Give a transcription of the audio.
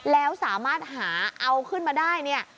แล้วสามารถหาเอาขึ้นมาได้เนี่ย